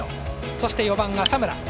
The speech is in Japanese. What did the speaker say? そして、４番の浅村。